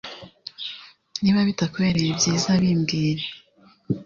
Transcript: Niba bitakubereye byiza bimbwire